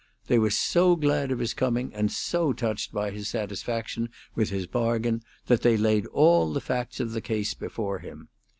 They were so glad of his coming, and so touched by his satisfaction with his bargain, that they laid all the facts of the case before him.